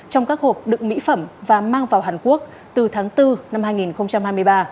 trong các hộp đựng mỹ phẩm và mang vào hàn quốc từ tháng bốn năm hai nghìn hai mươi ba